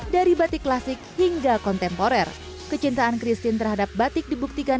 dari batik klasik hingga kontemporer kecintaan christine terhadap batik dibuktikan